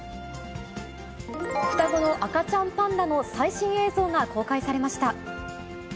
双子の赤ちゃんパンダの最新映像が公開されました。